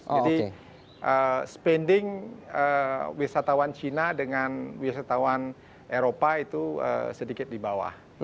jadi spending wisatawan cina dengan wisatawan eropa itu sedikit di bawah